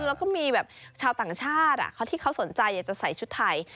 แล้วก็มีแบบชาวต่างชาติที่เขาสนใจอยากจะใส่ชุดไทย